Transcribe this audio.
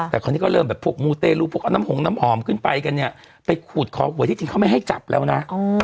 แต่คราวนี้ก็เริ่มแบบพวกมูเตรลูพวกเอาน้ำหงน้ำหอมขึ้นไปกันเนี่ยไปขูดขอหวยที่จริงเขาไม่ให้จับแล้วนะ